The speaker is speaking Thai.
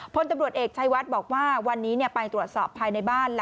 พลตำรวจเอกชัยวัดบอกว่าวันนี้ไปตรวจสอบภายในบ้าน